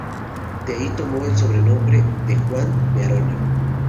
De ahí tomó el sobrenombre de "Juan de Arona".